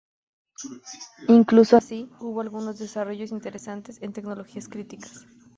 Incluso así, hubo algunos desarrollos interesantes en tecnologías críticas.